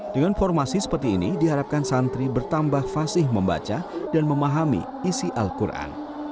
dengan formasi seperti ini diharapkan santri bertambah fasih membaca dan memahami isi al quran